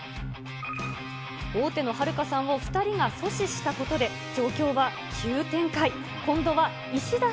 王手のはるかさんを２人が阻止したことで状況は急展開。